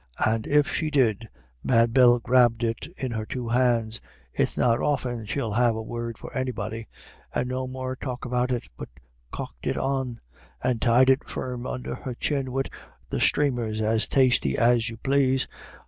And if she did, Mad Bell grabbed it in her two hands it's not often she'll have a word for anybody and no more talk about it, but cocked it on, and tied it firm under her chin wid the sthramers, as tasty as you plase.